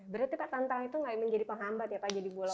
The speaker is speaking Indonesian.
berarti pak tantang itu gak memang menjadi penghambat ya pak jadi bulog